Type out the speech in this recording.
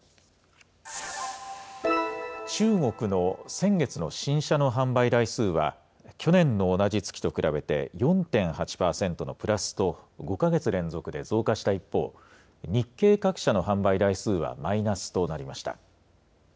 中国の先月の新車の販売台数は、去年の同じ月と比べて４．８％のプラスと、５か月連続で増加した一方、日系各社の販売台数はマイナスとなりました。